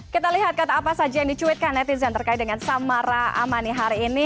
kita lihat kata apa saja yang dicuitkan netizen terkait dengan samara amani hari ini